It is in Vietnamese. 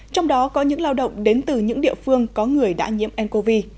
trong đó có những lao động đến từ những địa phương có người đã nhiễm ncov